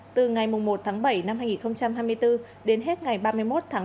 từ ngày một tháng bảy năm hai nghìn hai mươi bốn đến hết ngày ba mươi một tháng một mươi hai